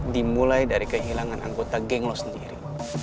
dimulai dari kehilangan anggota geng lo sendiri